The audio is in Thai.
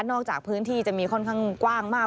จากพื้นที่จะมีค่อนข้างกว้างมาก